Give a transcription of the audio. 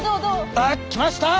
あっ来ました！